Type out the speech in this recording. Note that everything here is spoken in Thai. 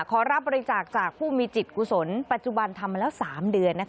ขอรับบริจาคจากผู้มีจิตกุศลปัจจุบันทำมาแล้ว๓เดือน